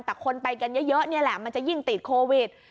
แต่คนไปกันเยอะนี่แหละมันจะยิ่งติดโควิด